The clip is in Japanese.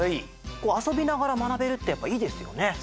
こうあそびながらまなべるってやっぱいいですよね。